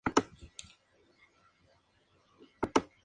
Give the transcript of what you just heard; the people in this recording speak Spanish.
La serie consta de pequeños episodios.